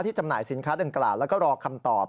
จำหน่ายสินค้าดังกล่าวแล้วก็รอคำตอบ